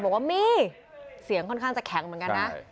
บอกว่ามีเสียงค่อนข้างจะแข็งเหมือนกันนะ